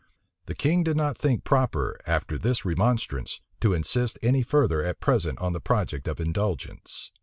The king did not think proper, after this remonstrance, to insist any further at present on the project of indulgence.